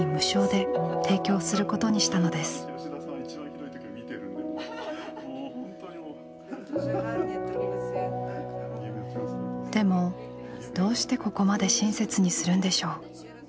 でもどうしてここまで親切にするんでしょう？